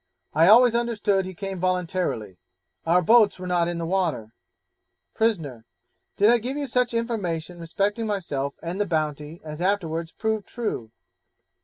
I always understood he came voluntarily; our boats were not in the water.' Prisoner 'Did I give you such information respecting myself and the Bounty as afterwards proved true?'